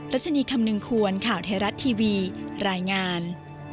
รัชนีคำนึงควรข่าวไทยรัฐทีวีรายงาน